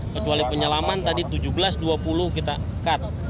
kecuali penyelaman tadi tujuh belas dua puluh kita cut